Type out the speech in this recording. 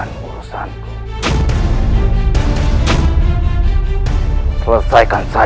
terima kasih banyak